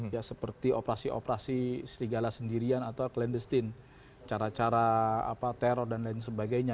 ya seperti operasi operasi serigala sendirian atau cleandestin cara cara teror dan lain sebagainya